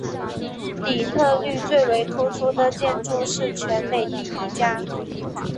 底特律最为突出的建筑是全美第一家。